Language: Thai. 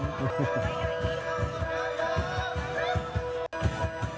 โปรดติดตามตอนต่อไป